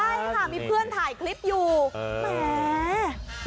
ใช่ค่ะมีเพื่อนถ่ายคลิปอยู่แหม